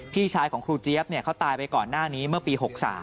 พี่ชายของครูเจี๊ยบเขาตายไปก่อนหน้านี้เมื่อปี๖๓